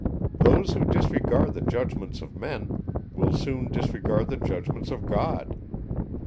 Those, who disregard the judgments of men, will soon disregard the judgments of God.